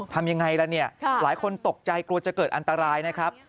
ทำยังไงล่ะเนี่ยหลายคนตกใจกลัวจะเกิดอันตรายนะครับ